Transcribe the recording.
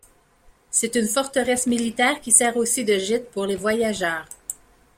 C'est une forteresse militaire qui sert aussi de gîte pour les voyageurs.